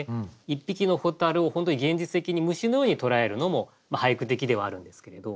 一匹の蛍を本当に現実的に虫のように捉えるのも俳句的ではあるんですけれど。